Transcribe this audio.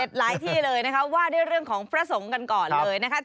หลายที่เลยนะคะว่าด้วยเรื่องของพระสงฆ์กันก่อนเลยนะคะ